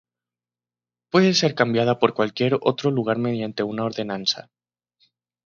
Puede ser cambiada por cualquier otro lugar mediante una ordenanza.